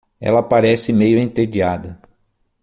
Ela parece meio entediada.